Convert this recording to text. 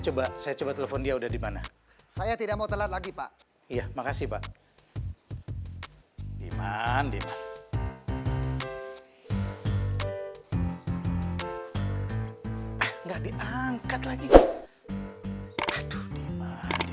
coba saya coba telepon dia udah dimana saya tidak mau telat lagi pak ya makasih pak bima bima